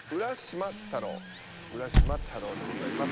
「浦島太郎」でございます。